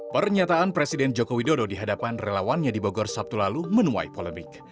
pernyataan presiden joko widodo di hadapan relawannya di bogor sabtu lalu menuai polemik